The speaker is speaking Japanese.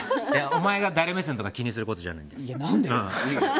お前が誰目線とか気にすることじゃないの。